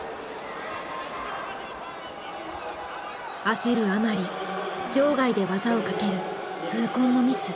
焦るあまり場外で技をかける痛恨のミス。